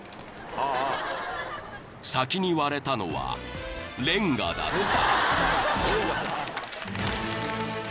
［先に割れたのはレンガだった］